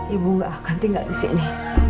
ibu ga akan tinggal disini